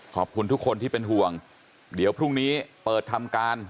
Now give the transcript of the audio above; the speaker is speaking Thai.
ขอบคุณทุกคนที่เป็นห่วงเดี๋ยวพรุ่งนี้เปิดทำการ